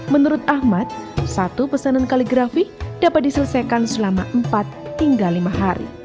menurut ahmad satu pesanan kaligrafi dapat diselesaikan selama empat hingga lima hari